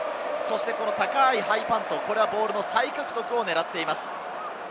高いハイパント、ボールの再獲得を狙っています。